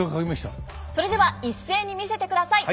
それでは一斉に見せてください。